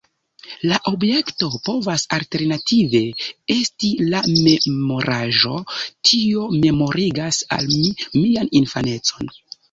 La objekto povas alternative esti la memoraĵo: Tio memorigas al mi mian infanecon.